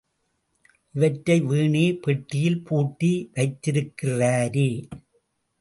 இவற்றை வீணே பெட்டியில் பூட்டி வைத்திருக்கிறாரே!